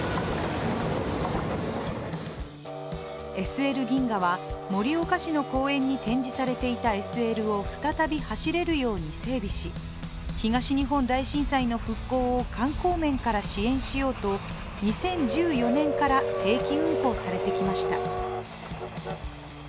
ＳＬ銀河は、盛岡市の公園に展示されていたＳＬを再び走れるように整備し東日本大震災の復興を観光面から支援しようと２０１４年から定期運行されてきました。